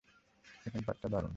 Second পার্টটা দারুণ।